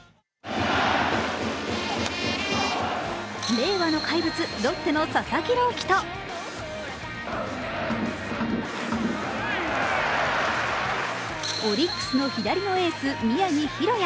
令和の怪物・ロッテの佐々木朗希とオリックスの左のエース・宮城大弥。